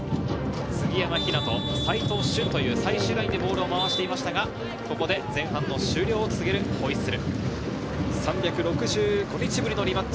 杉山陽太、齋藤駿という最終ラインでボールを回していましたが、ここで前半の終了を告げるホイッスル。